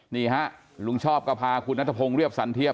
นี่ฮะลุงชอบก็พาคุณนัทพงศ์เรียบสันเทียบ